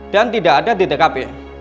dan tidak ada di tkp